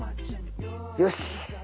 よし！